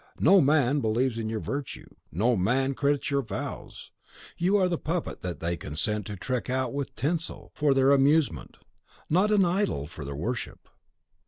No man believes in your virtue, no man credits your vows; you are the puppet that they consent to trick out with tinsel for their amusement, not an idol for their worship.